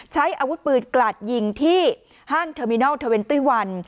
ใช้อาวุธปืนกระดยิงที่ห้างเทอร์มินัล๒๑